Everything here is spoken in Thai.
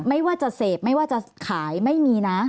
ไม่ว่าจะเสพไม่ว่าจะขายไม่มีนะ